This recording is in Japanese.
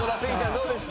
どうでした？